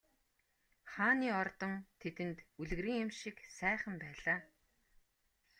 Хааны ордон тэдэнд үлгэрийн юм шиг сайхан байлаа.